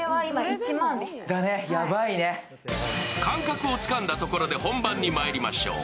感覚をつかんだところで本番にまいりましょう。